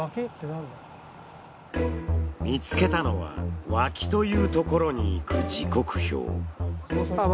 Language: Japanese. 見つけたのは脇というところに行く時刻表。